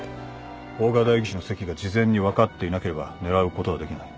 大賀代議士の席が事前に分かっていなければ狙うことはできない。